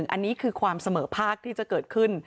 อันนี้คือความเสมอภาคที่จะเกิดขึ้น